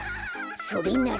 それなら。